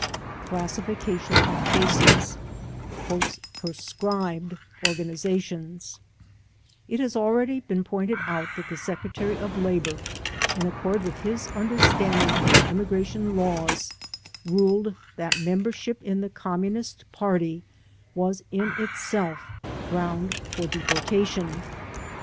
A. Classification of Cases ''Proscribed Organizations" It has already been pointed out that the Secretary of Labor, in accord with his understanding of the Immi gration Laws, ruled that membership in the Communist Party was in itself ground for deportation.